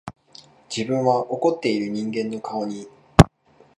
自分は怒っている人間の顔に、